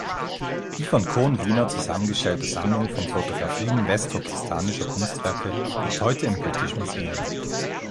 Die von Cohn-Wiener zusammengestellte Sammlung von Fotografien west-turkestanischer Kunstwerke liegt heute im British Museum.